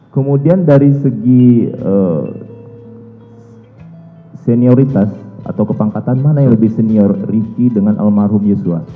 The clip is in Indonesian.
kemudian dari segi senioritas atau kepangkatan mana yang lebih senior riki dengan almarhum yosua